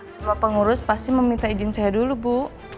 semua pengurus pasti meminta izin saya dulu bu